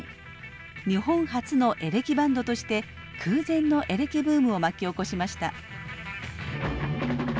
日本初のエレキバンドとして空前のエレキブームを巻き起こしました。